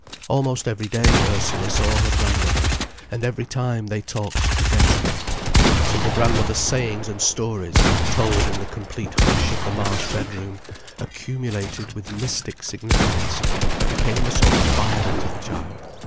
Almost every day, Ursula saw her grandmother, and every time, they talked together. Till the grandmother's sayings and stories, told in the complete hush of the Marsh bedroom, accumulated with mystic significance, and became a sort of Bible to the child.